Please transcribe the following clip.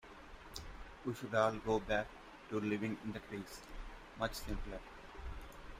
We should all go back to living in the trees, much simpler.